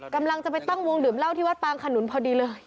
กำลังจะไปตั้งวงดื่มเหล้าที่วัดปางขนุนพอดีเลย